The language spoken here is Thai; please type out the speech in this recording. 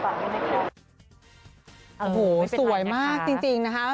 ความสวยไม่เคยได้นะครับสวยมากจริงนะครับ